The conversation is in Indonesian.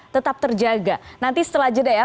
tetap terjaga nanti setelah jadinya